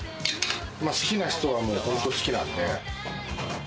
好きな人は本当に好きなんで。